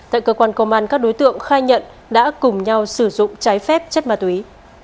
tại cơ quan công an các đối tượng khai nhận đã cùng nhau sử dụng trái phép chất ma túy